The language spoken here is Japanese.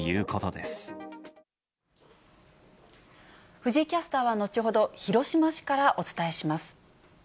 藤井キャスターは後ほど、広島市からお伝えします。